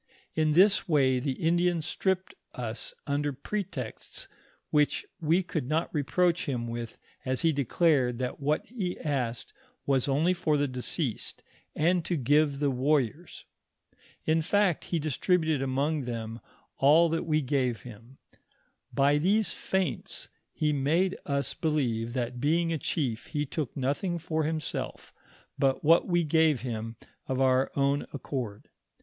idi In this way the Indian stripped us under pretexts, which we could not reproach him with, as he declared that what he asked was only for the deceased, and to give the warriors. . In fact, he distributed among them all that we gave him. By these feints he made us believe that being a chief, he took nothing for himself, but what we gave him of our own accord.